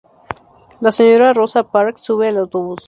La señora Rosa Parks, sube al autobús.